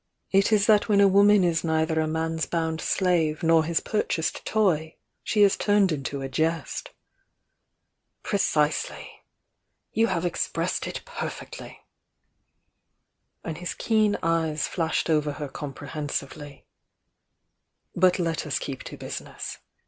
"It is that when a woman is neither a man's bound slave nor his purchased toy, she is turned into a jest." "Precisely! You have expressed it perfectly!" and his keen eyes flashed over her comprehensively. "But let us keep to business.